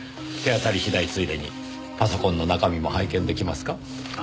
手当たり次第ついでにパソコンの中身も拝見出来ますか？